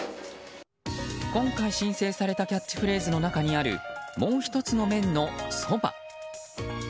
今回、申請されたキャッチフレーズの中にあるもう１つの麺のそば。